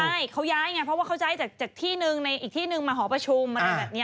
ใช่เขาย้ายไงเพราะว่าเขาย้ายจากที่หนึ่งในอีกที่นึงมาหอประชุมอะไรแบบนี้